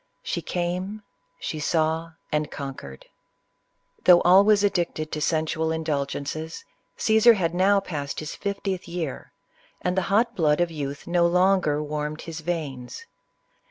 She came, — she saw, and conquered. Though al ways addicted to sensual indulgences, Caesar had now passed his fiftieth year, and the hot blood of youth no longer warmed his veins.